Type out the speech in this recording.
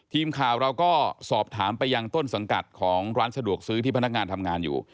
ทีมข่าวเราก็สอบถามไปยังต้นสังกัดของร้านสะดวกซื้อที่พนักงานทำงานอยู่